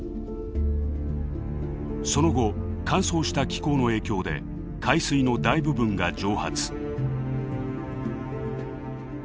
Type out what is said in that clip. その後乾燥した気候の影響で海水の大部分が蒸発。